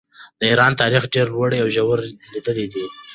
د ایران تاریخ ډېرې لوړې او ژورې لیدلې دي.